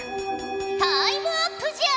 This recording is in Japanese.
タイムアップじゃ。